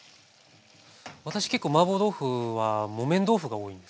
私結構マーボー豆腐は木綿豆腐が多いんですけど。